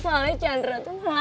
soalnya chandra tuh ngamar saya